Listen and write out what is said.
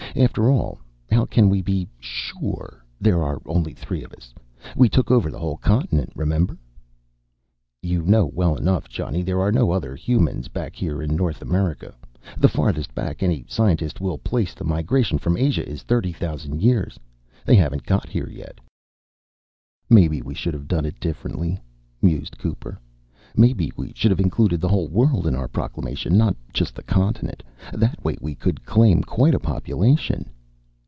After all, how can we be sure there are only three of us? We took over the whole continent, remember." "You know well enough, Johnny, there are no other humans back here in North America. The farthest back any scientist will place the migrations from Asia is 30,000 years. They haven't got here yet." "Maybe we should have done it differently," mused Cooper. "Maybe we should have included the whole world in our proclamation, not just the continent. That way, we could claim quite a population."